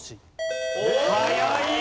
早い！